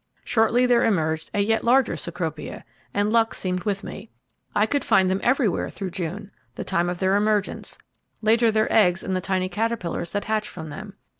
Shortly there emerged a yet larger Cecropia, and luck seemed with me. I could find them everywhere through June, the time of their emergence, later their eggs, and the tiny caterpillars that hatched from them.